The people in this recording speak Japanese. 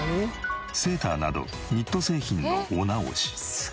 セーターなどニット製品のお直し。